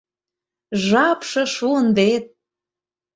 Жапше шуын вет!